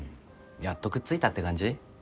やっとくっついたって感じ？